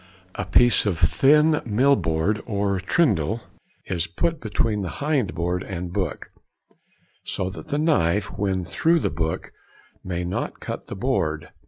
A piece of thin mill board or trindle is put between the hind board and book, so that the knife when through the book may not cut the board.